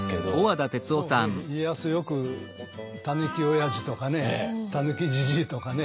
よく「たぬきおやじ」とかね「たぬきじじい」とかね